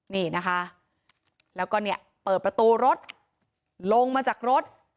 นี่นะคะแล้วก็เนี่ยเปิดประตูรถลงมาจากรถ